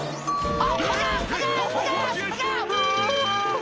あ。